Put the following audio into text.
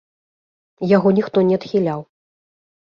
Яго ніхто не адхіляў.